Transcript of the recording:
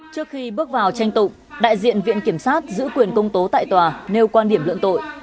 trước khi bước vào tranh tụng đại diện viện kiểm sát giữ quyền công tố tại tòa nêu quan điểm luận tội